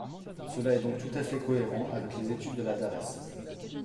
Cela est donc tout à fait cohérent avec les études de la DARES.